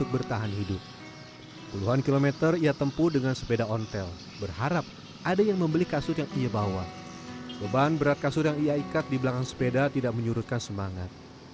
beban berat kasur yang ia ikat di belakang sepeda tidak menyurutkan semangat